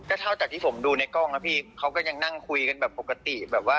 ก็เท่าจากที่ผมดูในกล้องมาพี่เขาก็ยังนั่งคุยกันปกติ